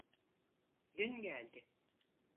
Dün geldi.